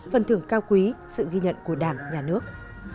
phần thưởng cao quý sự ghi nhận của đảng nhà nước